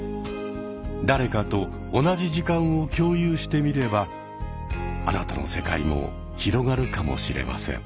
誰かと同じ時間を共有してみればあなたの世界も広がるかもしれません。